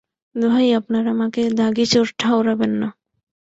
দোহাই আপনার, আমাকে দাগি চোর ঠাওরাবেন না।